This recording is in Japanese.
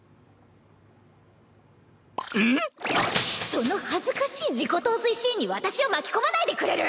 その恥ずかしい自己陶酔シーンに私を巻き込まないでくれる！